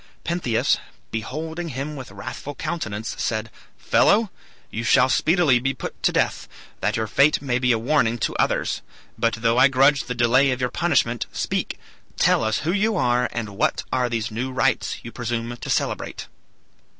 Pentheus, beholding him with wrathful countenance, said, "Fellow! you shall speedily be put to death, that your fate may be a warning to others; but though I grudge the delay of your punishment, speak, tell us who you are, and what are these new rites you presume to celebrate."